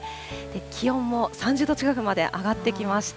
気温も３０度近くまで上がってきました。